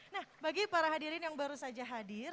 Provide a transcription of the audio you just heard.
nah bagi para hadirin yang baru saja hadir